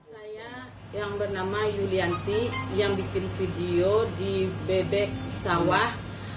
saya yang bernama yulianti yang bikin video di bebek sawah